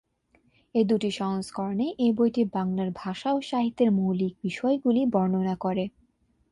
এর দুটি সংস্করণে এই বইটি বাংলার ভাষা ও সাহিত্যের মৌলিক বিষয়গুলি বর্ণনা করে।